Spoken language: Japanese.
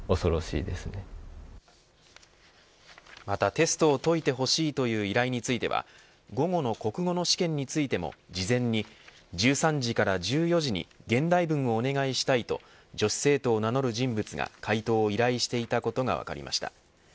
またテストを解いてほしいという依頼については午後の国語の試験についても事前に１３時から１４時に現代文をお願いしたいと女子生徒を名乗る人物が解答を依頼していたことが分かりました。